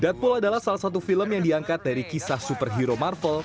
deadpool adalah salah satu film yang diangkat dari kisah superhero marvel